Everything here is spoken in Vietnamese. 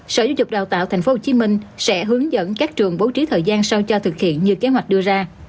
sở giáo dục đào tạo tp hcm sẽ hướng dẫn các trường bố trí thời gian sao cho thực hiện như kế hoạch đưa ra